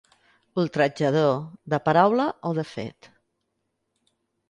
Ultratjador, de paraula o de fet.